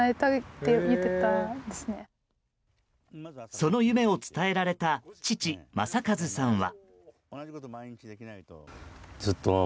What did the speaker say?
その夢を伝えられた父・正和さんは。